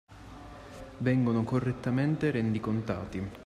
Vengono correttamente rendicontati